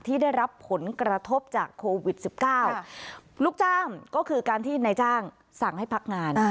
ที่ได้รับผลกระทบจากโควิด๑๙ลูกจ้างก็คือการที่นายจ้างสั่งให้พักงาน